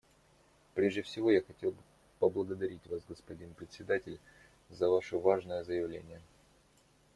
Прежде всего я хотел бы поблагодарить Вас, господин Председатель, за Ваше важное заявление.